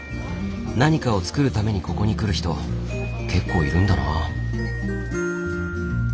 何かを作るためにここに来る人結構いるんだな。